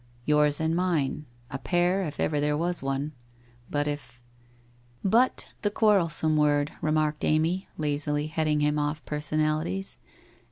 ' Yours and mine — a pair, if ever there was one. But, if ' c But, the quarrelsome word,' remarked Amy, lazily heading him off personalities.